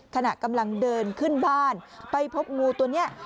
ขณะกำลังเดินขึ้นบ้านไปพบงูตัวนี้